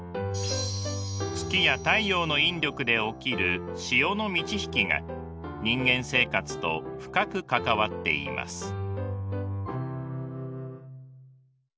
月や太陽の引力で起きる潮の満ち引きが人間生活と深く関わっています。